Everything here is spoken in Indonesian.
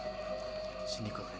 disini ko kanjeng